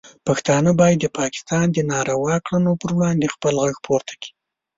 پښتانه باید د پاکستان د ناروا کړنو پر وړاندې خپل غږ پورته کړي.